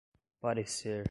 parecer